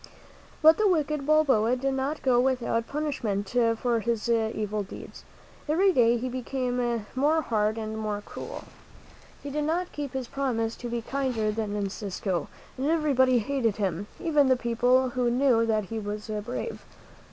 But the wicked Balboa did not go without punishment for all his evil deeds. Every day he became more hard and more cruel. He did not keep his promise to be kinder than Encisco, and everybody hated him, even the people who knew that he was brave.